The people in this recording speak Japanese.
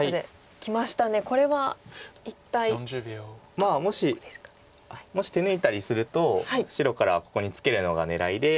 まあもし手抜いたりすると白からここにツケるのが狙いで。